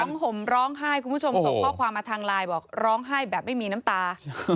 ห่มร้องไห้คุณผู้ชมส่งข้อความมาทางไลน์บอกร้องไห้แบบไม่มีน้ำตา